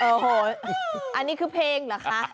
โอ้โหอันนี้คือเพลงเหรอคะ